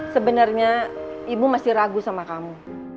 sebenarnya ibu masih ragu sama kamu